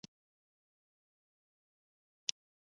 هر ژوندی موجود د خلیو څخه جوړ شوی دی